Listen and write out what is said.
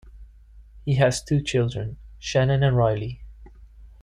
He has two children, Shannon and Riley.